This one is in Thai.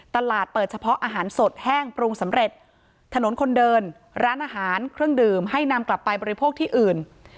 ตลาดเปิดเฉพาะอาหารสดแห้งปรุงสำเร็จถนนคนเดินร้านอาหารเครื่องดื่มให้นำกลับไปบริโภคที่อื่น